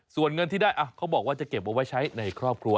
ส่วนเงินที่ได้เขาบอกว่าจะเก็บเอาไว้ใช้ในครอบครัว